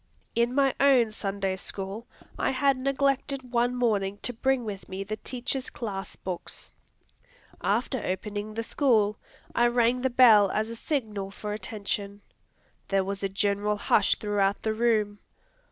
In my own Sunday School, I had neglected one morning to bring with me the teacher's class books. After opening the school, I rang the bell as a signal for attention. There was a general hush throughout the room.